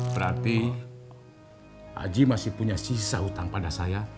berarti aji masih punya sisa hutang pada saya